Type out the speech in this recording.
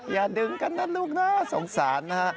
อย่าดึงกันนะลูกนะสงสารนะฮะ